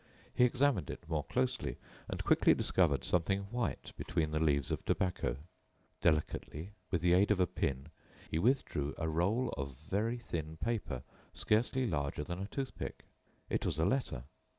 He examined it more closely, and quickly discovered something white between the leaves of tobacco. Delicately, with the aid of a pin, he withdrew a roll of very thin paper, scarcely larger than a toothpick. It was a letter.